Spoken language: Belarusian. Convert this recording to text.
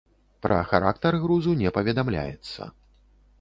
Пра характар грузу не паведамляецца.